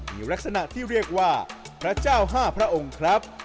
มีลักษณะที่เรียกว่าพระเจ้า๕พระองค์ครับ